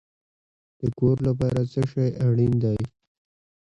د کور لپاره څه شی اړین دی؟